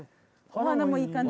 お花もいい感じ？